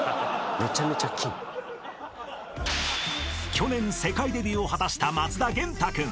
［去年世界デビューを果たした松田元太君］